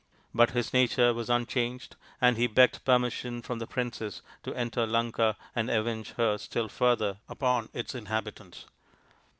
But his nature was unchanged and he begged permission from the princess to enter Lanka and avenge her still further upon its in habitants.